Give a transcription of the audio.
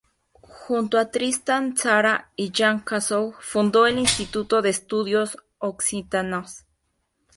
Junto a Tristan Tzara y Jean Cassou fundó el Instituto de Estudios Occitanos.